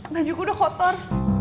bajuku udah kotor